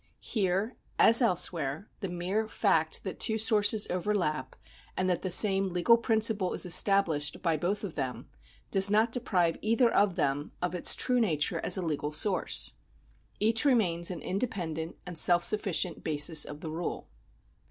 Here, as else where, the mere fact that two sources overlap, and that the same legal principle is established by both of them, does not deprive either of them of its true nature as a legal source. Each remains an independent and self sufficient basis of the rule.